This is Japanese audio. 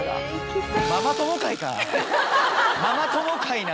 ママ友会なのか？